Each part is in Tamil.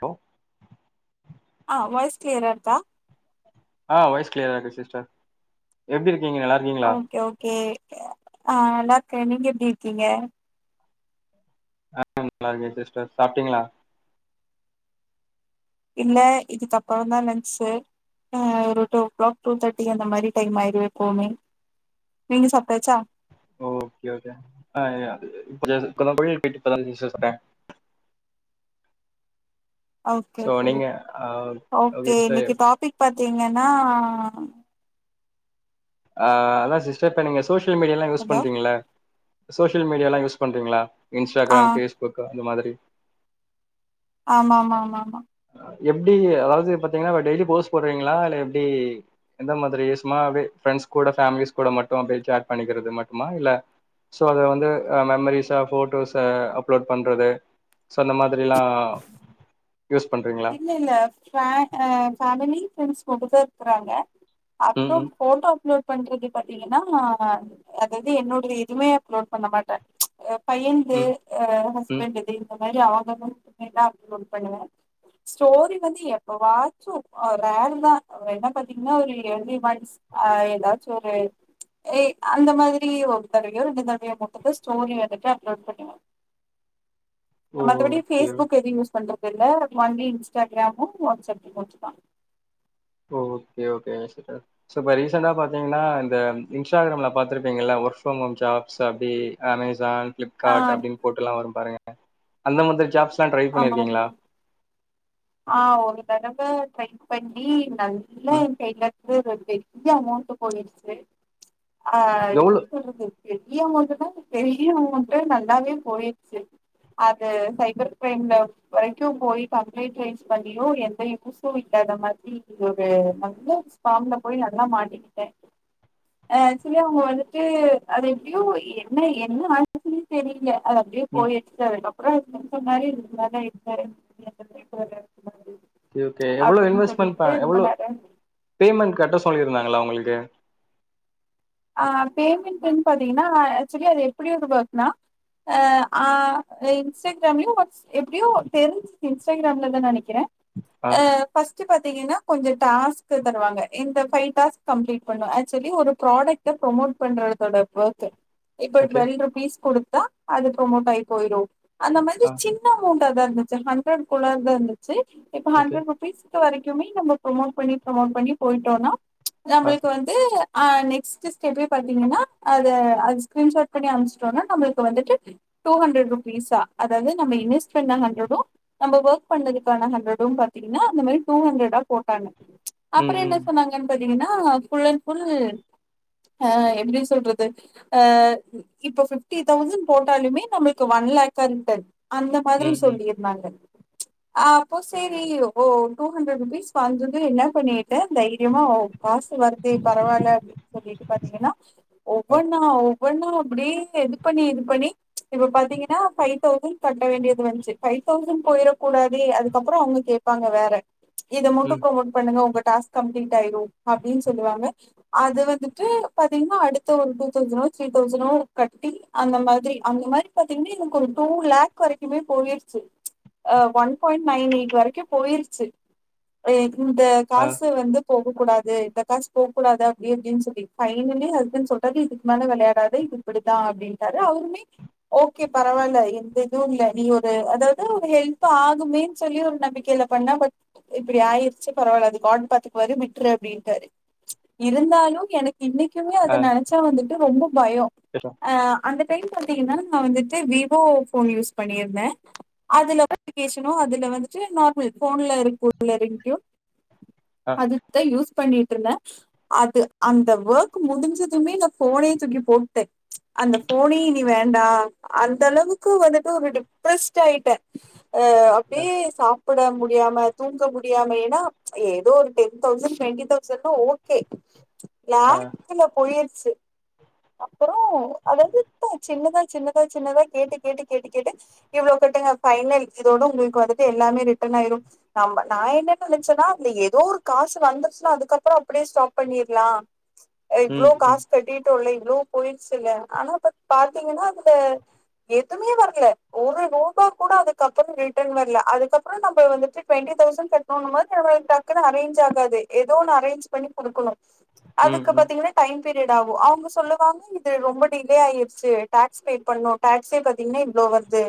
ஹலோ அ வாய்ஸ் கிளியர்ரருக்கா அ வாய்ஸ் கிளியரா இருக்கு சிஸ்டர் எப்டி இருக் ஓகே ஓகே அ நல்லாருக்க நீங்க எப்டி இருக்கீங்க அ நல்லா இருக்கே சிஸ்டர் சாப்ட்டீங்களா இல்ல இதுக்கப்புறோந்தா லஞ்ச்சே அ ஒரு டூ ஒ கிளாக் டூ தட்டி அந்த மாரி டைம் ஆயிறு எப்பவுமே நீங்க சாப்டாச்சா ஓகே ஓகே அ அது கொஞ்ச கொன்னேர் முன்னாடி வீட்டுக்கு [unintelligible] சிஸ்டர் சாப்ட ஓகே ஒகே நீங்க ஆ ஓகே இன்னிக்கு டாபிக் பாத் தீங்கன்னா அ அதா சிஸ்டர் இப்ப நீங்க சோசியல் மீடியால்லா யூஸ் ஹலோ பண்றீங்ள சோசியல் மீடியால்லா யூஸ் பண்றீங்களா ஆ இன்ஸ்டாகிராம் ஃபேஸ்புக்கு அந்த மாதிரி ஆமா ஆமா ஆமா ஆமா எப்டி அதாவது பாத்தீங்கன்னா டெய்லி போஸ்ட் போடுவீங்களா இல்ல எப்டி எந்த மாதிரி சும்மா அப்டியே ஃபிரண்ட்ஸ் கூட ஃபேமிலிஸ் கூட மட்டு அப்டியே சேட் பண்ணிக்கிறது மட்டுமா இல்ல சோ அத வந்து அ மெமரிஸ்ஸ போட்டோஸ்ஸ அப்லோட் பண்றது சொன்ன மாதிரில்லா இல்ல இல்ல ஃபே அ ஃபேமிலி ஃபிரண்ட்ஸ் மட்டுந்தா இருக்குறாங்க ம் அப்புறோ ம் ஃபோட்டோ அப்லோட் பண்றது பாத்தீங்கன்னா அதாது என்னோடைய எதுமே அப்லோட் பண்ண மாட்ட அ பையனுது ம் அ ம் ஹஸ்பண்டுது இந்த மாரி அவங்களுடையது எல்லாம் அப்லோட் பண்ணுவ ஸ்டோரி வந்து எப்பவாச்சு ரேர் தா என்ன பாத்தீங்ன்னா ஒரு எழுதி வாய்ஸ் ஆ ஏதாச்சி ஒரு ஏய் அந்த மாதிரி ஒருதங்க இருந்தும் தன்மைய பொறுத்துட்டு தா ஸ்டோரி வந்துட்டு அப்லோட் பண்ணுவே மத்தபடி ஓகே ஃபேஸ்புக் எதையு யூஸ் பண்றதில்ல ஒன்லி இன்ஸ்டாகிராமும் வாட்ஸ்அப் இமோஜிம்தா ஓகே ஓகே சிஸ்டர் இப்ப ரீசன்ட்ட பாத்தீங்கன்னா இந்த இன்ஸ்டாகிராம்ல பாத்திருப்பீங்கள்ல வொர்க் ஃப்ரம் ஹோம் ஜாப்ஸ் அப்டி அமேசான் ஆ பிளிப்கார்ட் அப்டின்னு போட்டுல்லாம் வரும் பாருங்க அந்த மாதிரி ஜாப்ஸ்லாம் ட்ரை ஆமா ஆமா பண்ணிருக்கீங்களா ஆ ஒரு தடவ ட்ரை பண்ணி நல்ல எயா ம் கைலருந்து ஒரு பெரிய அமௌண்ட்டு போயிடுச்சி ஆ எவ்ளோ எப்டி சொல்றது பெரிய அமௌண்ட்டுன்னா பெரிய அமௌண்ட்டு நல்லாவே போயிருச்சி அது சைபர் கிரைம் லெவ் வரைக்கும் போயிட்டோ கேஸ் ரைஸ் பண்ணியு எந்த யூசும் இல்லாத மாதிரி ஒரு நல்ல ஸ்கேம்ல போய் நல்லா மாட்டிகிட்டே ஆக்சுவல அவுங்க வந்துட்டு அது எப்டியோ என்ன என்ன ஆச்சுன்னு தெரியல அது அப்படியே ம் போயிட்ச்சி அப்புறோ என்ன சொன்னாரு இதுக்கு மேல எந்த [inaudible] சே ஒகே எவ்ளோ அப்டின்னு இன்வெஸ்ட்மெண்ட் ப சொல்லிட்டு இது எவ்ளோ பண்ணாரு பேமெண்ட் கட்ட சொல்லியிருந்தாங் நல்லா உங்களுக்கு ஆ பேமெண்ட்னு பாத்தீங்கன்னா ஆக்சுவலா அது எப்டி உருவாக்னா எ அ இன்ஸ்டாகிராம்லயு வாட்ஸ் எப்டியு தெரிஞ்சிது இன்ஸ்டாகிராம்லதானு நெனைக்கிறே ஆ அ ஃபர்ஸ்ட் பத் பாத்திங்கனா கொஞ்சோ டாஸ்க் தருவாங்க இந்த ஃபைவ் டாஸ்க் கம்லிட் பண்ணோ ஆக்சுவலி ஒரு ப்ராடக்ட் டு ப்ரமோட் பண்றதோட வொர்த்து இப்ப ஓகே டுவெல் ருபீஸ் குடுத் தா அது ப்ரேமோட் ஆகி போயிரோ அந்த மாரி ஆ சின்ன அமௌன் தா இருந்துச்சி ஹண்ரட்குள்ளதா இருந்துச்சி இப்ப ஓகே ஹாண்ரட் ரூபீஸ் க்கு வரைக்குமே நம்ம ப்ரமோட் பண்ணி ப்ரமோட் பண்ணி போயிட்டோனா ஆ நம்மளுக்கு வந்து அ நெக்ஸ்ட் திருப்பி பாத்தீங்கனா அது அது ஸ்கிரீன்ஷேர் பண்ணி அமிச்சிட்டோனா நம்மளுக்கு வந்துட்டு டூ ஹாண்ட்ரட் ருபீ பைசா அதாவது நம்ம இன்வெஸ்ட் பண்ற ஹாண்ரடு நம்போ ஒர்க் பண்ணதுக்கான ஹாண்ரடு பாத்தீங்கன்னா அந்த மாரி டூ டூ ஹாண்ரட்டா போட்டாங்க ம் அப்புறோ என்ன ம் சொன்னாங்கன்னு பாத்தீங்கன்னா ஃபுல்லன் ஃபுல் அ எப்டி சொல்றது அ இப்ப ஃபிப்டி தௌசண்ட் போட்டாலுமே நம்மளுக்கு ஒன் லே [unintelligible] அந்த மாதிரி ம் ம் சொல்லியிருந்தாங்க அ அப்போ சேரி ஓ டூ ஹாண்ட்ரட் ருபீஸ் வந்தது என்ன பண்ணிடே தைரியமா ஓ காசு வருதே பரவால்ல சொல்லிட்டு பாத்தீங்கன்னா ஆ ஒவ்வொன்னா ஓவ் ஒவ்வொன்னா அப்டியே இது பண்ணி இது பண்ணி இப்ப பாத்தீங்கன்னா ஃபைவ் தௌசன் கட்ட வேண்டி வந்துச்சி ஃபைவ் தௌசண்ட் போயிட கூடாதே அதுக்கப்புறம் அவுங்க கேப்பாங்க வேற இத மட்டும் ம் ப்ரொமோட் பண்ணுங்க உங்க டாஸ்க் கம்பிளீட் ஆயிரும் அப்டின்னு சொல்லுவாங்க அது வந்து டு பாத்தீங்கன்னா அடுத்த ஒரு டூ தௌசனோ தீரி தௌசனோ கட்டி அந்த மாதிரி அந்த மாரி பாத்தீங்னா எனக்கு ஒரு டூ லேக் வரைக்குமே போயிடுச்சி அ ஒன் பாயிண்ட் நைன் எயிட் வரைக்கு போயிருச்சி இந்த ஆ காசு வந்து போக கூடாது இந்த காசு போக் கூடாது அப்டி இப்டின்னு சொல்லிட் ஃபைனலி ஹஸ்பண்ட் சொல்டாரு இதுக்கு மேல விளையாடாதே இது இப்படிதா அப்டின்டாரு அவருமே ஓகே பர பரவால்ல எந்த இதுவு இல்ல நீ ஒரு அதாவது ஒரு ஹெல்ப் ஆகுமேன் சொல்லி ஒரு நம்பிக்கையில பண்ண பட் இப்படி ஆயிருச்சி பரவால்ல அது காட் பாத்துக்குவாரு விட்டுரு அப்டின்டாரு இருந்தாலும் எனக் இன்னிக்குமே அத ஆ நெனைச்சா வந்துட்டு ரொம்ப பயோ ஆ அந்த அந்த டைம் பாத்திகன்னா நா வந்துட்டு விவோ ஃபோன் யூஸ் பண்ணியிருந்தே அதுல பேசுனோ அதுல வந்துட்டு நார்மல் ஃபோன்ல இருக்கும்ல ரிங்டியூன் ஆ அதுக்தா யூஸ் பண்ணிட்ருந்தே அது அந்த வெர்க் முடிஞ்சிதுமே அந்த ஃபோனையே துக்கி போட்டே அந்த ஃபோனே இனி வேண்டா அந்த அளவுக்கு வந்துட்டு ஒரு டிப்ரெஸ்ட் ஆயிட்டே ஆ ஆ அப்டியே சாப் ப்புட முடியாம தூங்க முடியாம ஏன்னா ஏதோ ஒரு டென் தௌசண்ட் டுவெண்ட்டி தௌசண்ட்னா ஓகே ஆ லாக்குல போய்ருச்சு அப்பற கு அதாவது த சின்னதா சின்னதா சின்னதா கேட்டு கேட்டு கேட்டு கேட்டு இவ்ளோ கட்டுங்க ஃபைனல் இதோட உங்களுக்கு வந்துட்டு எல்லாமே ரிட்டர்ன் ஆயிரும் நம்ப நா என்ன நெனைச்சேன்னா அந்த ஏதோ ஒரு காசு வந்து சுனா அதுக்கப்புற அப்டியே ஸ்டாப் பண்ணிர்லா இவ்ளோ ம் ம் காஷ் கட்டிட்டோல இவ்ளோ போயிடுச்சுல்ல ஆனா இப்ப பாத்தீங்கனா அதுல எதுவுமே வர்ல ஒரு ரூபா கூட அதுக்கப்புற ரிட்டர்ன் வர்ல அதுக்கப்புற நம்ப வந்துட்டு ட்வெண்டி தௌசண்ட் கட்ணுன்னும்போது அது டக்குனு அரேஞ்ச் ஆகாது ஏதோ ஒன்னு அரேஞ்ச் பண்ணி குடுக்கணு ம் அதுக்கு ம் பாத்தீங்கனா டைம் பீரியட் ஆகு அவுங்க சொல்லுவாங்க இது ரொம்ப டிலே ஆயிருச்சு டேக்ஸ் பே பண்ணு டேக்ஸே பாத்தீங்கன்னா இவ்ளோ போ வருது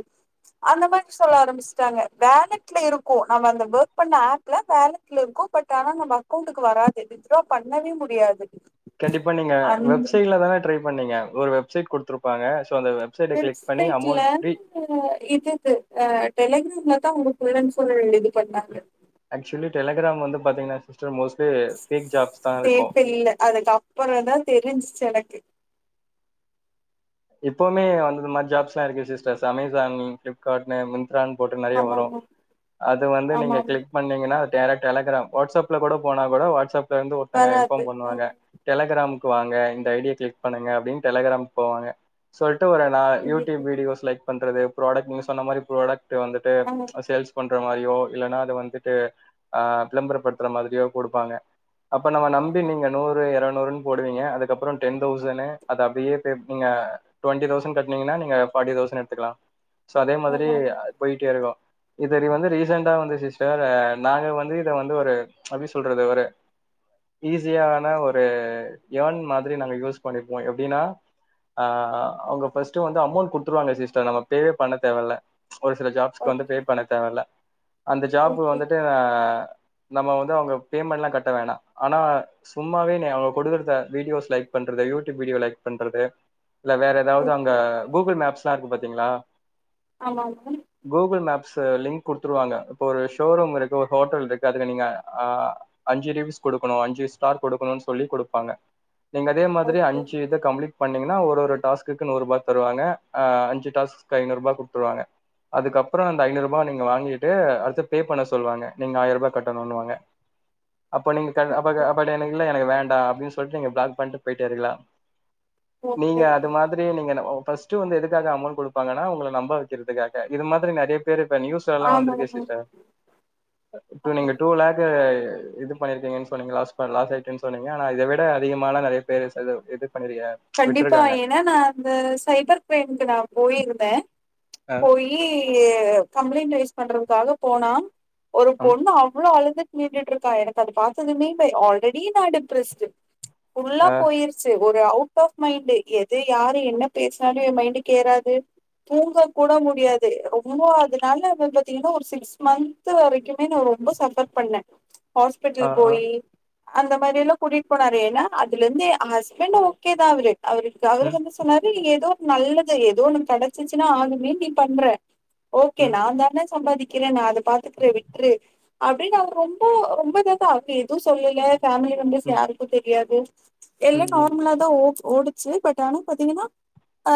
அந்த மாரி சொல்ல ஆரம்பிச்சிட்டாங்க வேலட்ல இருக்கு நம்ம அந்த ஒர்க் பண்ண ஆப்ல வேலட்ல இருக்கு கு பட் ஆனா நம்ம அக்கவுண்டக்கு வராது வித்ட்ரா பண்ணவே முட் கண்டிப்பா நீங்க வெப்சைட்ல தான ட்ரை பண்ணீங்க ஒரு வெப்சைட் குடுத்துருப்பாங்க அந்த வெப்சைட்ட கிளிக் பண்ணி வெப்சைட் இல்ல அமௌண்ட் ரீ ஆ இது இது ஆ டெலிகிராம்லதா உங்களுக்கு வருன் சொல் இது பண்ணாங்க ஆக்சுவலி டெலிக்ராம் வந்து பாத்தீங்கன்னா சிஸ் பேர் தெர்ல அதுக்கப்பறந்தா தெரிஞ்சிச்சு எனக்கு இப்போவுமே வந்து அந்தமாரி ஜாப்ஸ்லா இருக்கு சிஸ்ட்ர்ஸ் அமேசான் ஃப்ளிப்கார்ட்னு ராங் போட்டு நெறைய ஆமா வரு ஆமா அது வந்து ஆமா நீங்க ஆமா கிளிக் பண்ணீங்கன்னா டேரக்ட் டெலகிராம் வாட்ஸப்ல கூட போனா கூட வாட்ஸப்லேருந்து ஒருத்தங்க வராது இன்ஃபார்ம் பண்ணுவாங்க அஹ் டெலகிராம் க்கு வாங்க இந்த ஐ டிய கிளிக் பண்ணுங்க அப்டின்னு டெலகிராமுக் போவாங்க சொல்லிட்டு ட்டு ஒரு நா யூடியூப் இன்னைக்கு- வீடியோவ செலக்ட் பண்றது ப்ராடக்ட் நீங்க சொன்ன மாரி ப்ராடக்ட் வந்துட்டு ஆமா ஆ சேல்ஸ் பண்ற ற மாரியோ இல்லன்னா அத வந்துட்டு ஆ பிளம்பர் படுத்துற மாதிரியோ குடுப்பாங்க அப்ப நம்ம நம்பி நீங்க நூறு எர நூறுனு போடுவீங்க அதுக்கப்புறம் டென் தௌசணு அது அப்டியே பே நீங்க டுவெண்ட்டி தௌசண்ட் கட்னீங்கன்னா நீங்க ஃபார்ட்டி தௌசண்ட் எடுத்துக்கலா சோ அதே மாதிரி ஆமா ஆமா போயிட்டே இருக்கு இது ரீ வந்து ரீசெண்டா வந்து சிஸ்டர் ஆ நாங்க வந்து இத வந்து ஒரு எப்டி சொல்றது ஒரு ஈஸியான ஒரு யேன் மாதிரி நாங்க யூஸ் பண்ணிப்போ எப்டின்னா ஆ அவுங்க ஃபஸ்ட்டு வந்து அமௌண்ட் குடுத்துருவாங்க சிஸ்டர் நம்ம பேவே பண்ணத் தேவல்ல ஒரு சில ஜாப்ஸ்க்கு வந்து ஓகே பே பண்ணத் தேவல்ல அந்த ஜாப் ஓகே வந்துட்டு ஆ நம்ம வந்து அவுங்க பேமெண்ட்லா கட்ட வேணா ஆனா சும்மாவே நீ அவுங்க கொடுக்குறத வீடியோஸ் லைக் பண்றது யூடியூப் வீடியோ லைக் பண்றது இல்ல வேற ஏதாவது அங்க ஓகே கூகுள் மேப்ஸ்லா இருக்கு பாத்தீங்களா ஆமா ஆமா கூகுள் மேப்ஸ் த லிங்க் குடுத்துருவாங்க இப்ப ஒரு ஷோரூம் இருக்கு ஹோட்டல் இருக்கு அதுக்கு நீங்க ஆ அஞ்சு லிங்ஸ் குடுக் கணு அஞ்சு ஸ்டார் குடுக்கணுன்னு சொல்லி குடுப்பாங்க நீங்க அதே மாதிரி ஓகே அஞ்சு இத கம்ப்ளீட் பண்ணீங்கன்னா ஒரு ஒரு டாஸ்க்குக்கு நூறுபா தருவாங்க ஆ அஞ்சு டாஸ்க்கு ஐநூறுபா குடுத்துடுவாங்க அதுக்கப்புற அந்த ஐநூறுபா நீங்க வாங்கிட்டு அடுத்து பே பண்ண சொல்லுவாங்க நீங்க ஆயிரரூபா கட்டணும்னுவாங்க அப்போ நீங்க க அப்ப அப்ப எனக்கு இல்ல எனக்கு வேண்டா அப்டின்னு சொல்ட்டு நீங்க பிளாக் பண்ணிட்டு போயிட்டே இருக்கலா ஓகே ஓகே இந்த மாதிரி நீங்க என்ன ஒ ஃபஸ்ட்டு வந்து எதுக்காக அமௌண்ட் குடுப்பாங்கன்னா உங்கள நம்ப வக்கிறதுக்காக இது மாதிரி நெறைய பேரு இப்ப நியூஸ்லலா ஆமா வந்துருக்கே ஆமா சிஸ்டர் அ டூ ஆமா நீங்க டூ லேகு இது பண்ணிருக்கீங்கன்னு சொன்னீங்க லாஸ் பண் லாஸ் ஆயிட்டுன்னு சொன்னீங்கலையா ஆனா இத விட அதிகமாலா நெறைய பேரு செலவு இது பண்ணிருக்க கண்டிப்பா விட்ருக்காங்க ஏன்னா நா இந்த சைபர் கிரைமுக்கு நா போயிருந்த அ போயி கம்ப்ளைண்ட் ரைஸ் பண்றதுக்காக போனா ஒரு அம் பொண்ணு அவ்ளோ அழுதுட் நின்னுட்ருக்கா எனக் அது பாத்ததுமே ப ஆல்ரெடி நா டிப்ரஸ்டு ஃபுல்லா அ போயிருச்சு ஒரு அவுட் ஆஃப் மைண்ட எது யாரு என்ன பேசினாலு என் மைண்டுகு ஏறாது தூங்க கூட முடியாது ரொம்ப அதனால பாத்தீங்கன்னா ஒரு சிக்ஸ் மந்த் வரைக்குமே நா ரொம்ப சஃபர் பண்ண ஆ ஹாஸ்பிட்டல் ஆ போய் அந்த மாதிரி எல்லா கூட்டிட்டு போனாரு ஏன்னா அதுல இருந்து ஹஸ்பண்ட் ஓகே தா அவரு அவருக்கு அவரு ம் வந்து சொன்னாரு எதோ ஒர் நல்லது ஏதோ ஒன்னு கிடைச்சிச்சுன்னா ஆகமே நீ பண்ற ஓகே ம் நா தானே சம்பாதிக் கிறே நா அத பாத்துக்கிறே விட்டுரு அப்டின்னு அவங்க ரொம்ப ரொம்ப இத தா அவங்க எதுவு சொல்லல ஃபேமிலி மெம்பர்ஸ் ம் யாருக்கு தெரியாது எல்லா ம் ம் நார்மலா தா ஓ ஓடுச்சு பட் ஆனா பாத்தீங்கன்னா ஆ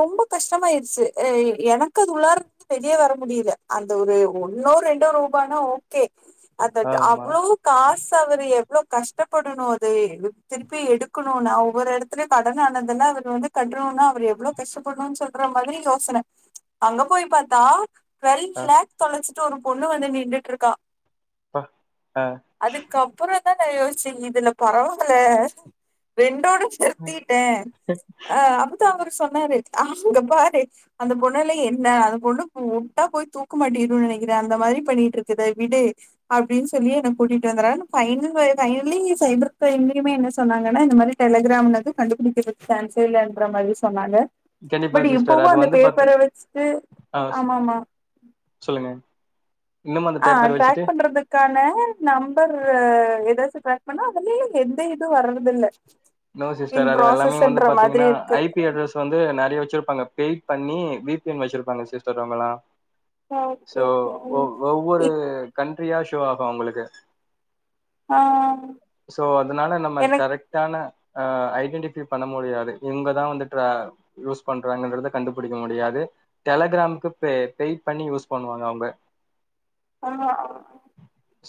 ரொம்ப கஷ்டமாயிருச்சு ஆ எனக்கு அது உள்ளார வெளியே வர முடியல அந்த ஒரு ஒன்னோ ரெண்டோ ரூபானா ஓகே அதட் ஆமா அவ்ளோ காஸ் அவரு எவ்வளோ கஷ்டப்படணு அத திருப்பி எடுக்கணும்னா ஒவ்வொரு இடத்துலயு கடன்னானதுல்ல அவரு வந்து கட்டணும்னா அவரு எவ்வளவு கஷ்டப்படணும்ன்னு சொல்ற மாதிரி யோசன அங்க போய் பார்த்தா டுவெல்வ் அ லேக் தொலைச்சிட்டு ஒரு பொண்ணு வந்து நின்னுட்டு இருக்கா அப்பா ஆ அத்தான யோஸ்ச்ச இதுல பரவால்ல ரெண்டோட சுத்திட்ட ஆ அப்பதா அவரு சொன்னாரு அங்க பாரு அந்த பொண்ணாலே என்ன அந்த பொண்ணு வுட்டா போய் தூக்குமாட்டிரு நனக்கிற அந்த மாரி பண்ணிட்ருக்குது விடு அப்டின் சொல்லி என்ன கூட்டிட்டு வந்தரூ ஆனா பைனல் பைனலி சைப்ர் கிரைம்லியுமே என்ன சொன்னாங்கன்னா இந்த மாரி டெலக் கிராம்னது கண்டுபுடிக்கிறதுக்கு சான்சே இல்லன்ற மாரி சொன்னாங்க கண்டிப்பா பட் சிஸ்டர் இப்பவு அது அந்த வந்து பாத்து பேப்பர வச்ட்டு ஆ சொ- ஆம்மாம்மா சொல்லுங்க இன்னும் அந்த ஆ பேப்பர் வச்சுட்டு ட்ராக் பண்றதுக்கான நம்பர் நம்பர்ரு எதாச்சு ட்ராக் பண்ணா அதுலியு எந்த இதுவு வர்றதுல்ல நோ சிஸ்டர் அது எல்லாமே நீங் வந்து மாதிரி பாத்தீங்கன்னா இருக்கு ஐ பி அட்ரஸ் வந்து நறைய வ ச்சிருப்பாங்க பெயிட் பண்ணி வீ பி என் வச்சிருப்பாங்க சிஸ்டர் அவ்ங்கெல்லா சோ ஓகே ஓகே ஒ ம் ஒவ்வொரு இப் கண்ட்ரியா ஷோ ஆகு அவ்ங்களுக்கு ஆ சோ அதனால நம்ம எனக்கு கரெக்டான ஆ ஐடென்டிஃபி பண்ண முடியாது இவ்ங்கதா வந்து ட்ரா யூஸ் பண்றாங்கன்றத கண்டுபிடிக்க முடியாது டெலகிராமுக்கு பே பெய்ட் பண்ணி யூஸ் பண்ணுவாங்க அவ்ங்க ஆ ஆ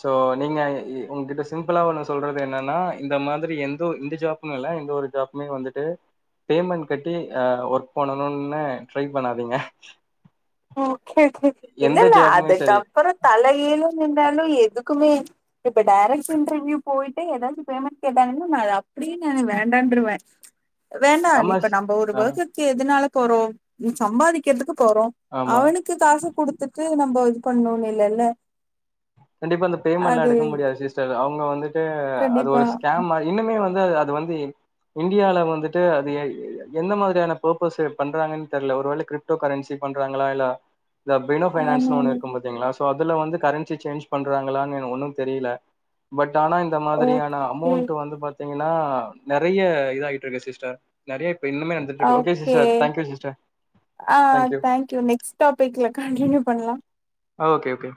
சோ நீங்க எ உங்ககிட்ட சிம்ப்ளா ஒண்ணு சொல்றது என்னன்னா இந்த மாதிரி எந்த ஒரு இந்த ஜாப் னுயில்ல எந்த ஒரு ஜாப்மே வந்துட்டு பேமெண்ட் கட்டி ஆ ஒர்க் பண்ணணுன்னே ட்ரை பண்ணாதீங்க ஓகே ஓகே எந்த இல்லெல்ல ஜாப்புமே சரி அதுக்கப்பற தலகீழ நின்னாலு எ துக்குமே இப்ப டேரெக்ட் இன்ட்ரிவீவ் போய்டு எதாச்சு பேய்மெண்ட் கேட்டாங்கனா நா அத அப்டியே நானு வேண் டற்றுவே வேண்டா ஆமா இப்ப நம்ம ஒரு ஆ வர்குக்கு எதுனால போறோ சம்பாதிக்கிற்துக்கு போறோ ஆமா அவனுக்கு காச குடுத்துட்டு நம்ம இது பண்ணு இல்லெல்ல கண்டிப்பா அந்த பேமெண்ட்லா எடுக்க முடியாது சிஸ்டர் அவ்ங்க வந்துட்டு அது கண்டிப்பா ஒரு ஸ்கேம் மாரி இன்னமே வந் து அது வந்து இந்தியால வந்துட்டு அது எந் எந்த மாதிரியான பர்பஸு பண்றாங்கன்னு தெரில ஒருவேல கிரிப்டோ கரென்சி பண்றாங்களா இல்ல இந்த பினோ பைனான்ஸுனு ஒண்ணு ஆமாமா இருக்கு பாத்தீங்களா சோ அதுல வந்து கரென் சி சேஞ்ச் பண்றாங்களானு எனக் ஒண்ணுந் தெரியில பட் ஆனா இந்த மாதிரியான ஓகே அமௌண்ட் வந்து பாத்தீங்க னா நறைய இதா ஆகிட்ருக்கு சிஸ்டர் நறைய இன்னுமே நடந்திட்ருக்கு ஓகே சிஸ்டர் தங்க்யூ சிஸ்டர் ஆ தேங்க்யூ தங்க்யூ நெக்ஸ்ட் டாபிக்ல கண்டினியூ பண்ணலா ஓகே ஓகே